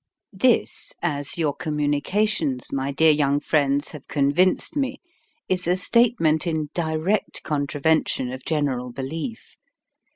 This, as your communications, my dear young friends, have convinced me, is a statement in direct contravention of general belief.